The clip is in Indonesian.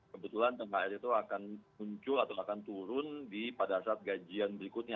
kebetulan thr itu akan muncul atau akan turun pada saat gajian berikutnya